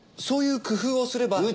そういう工夫をすれば。